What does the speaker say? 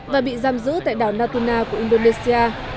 và bị giam giữ tại đảo natuna của indonesia